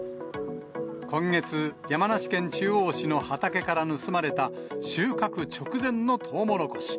今月、山梨県中央市の畑から盗まれた、収穫直前のトウモロコシ